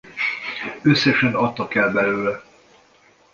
Összesen adtak el belőle.